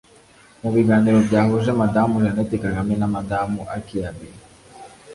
Mu biganiro byahuje Madamu Jeannette Kagame na Madamu Akie Abe